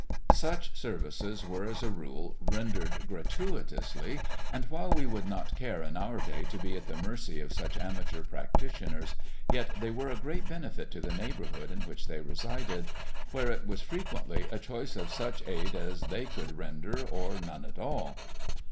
Such services were, as a rule, rendered gratuitously, and while we would not care in our day to be at the mercy of such amateur practitioners, yet they were a great benefit to the neighbourhood in which they resided, where it was frequently a choice of such aid as they could render or none at all.